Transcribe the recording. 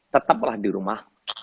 tetaplah di rumah